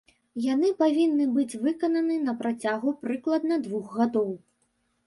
Яны павінны быць выкананы на працягу прыкладна двух гадоў.